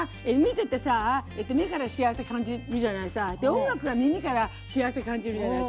音楽は耳から幸せ感じるじゃないさ。